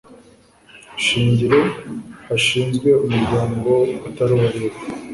shingiro hashinzwe umuryango utari uwa leta